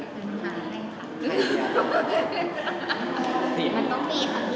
มันต้องดีค่ะ